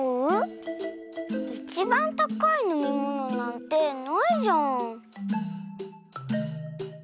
いちばんたかいのみものなんてないじゃん。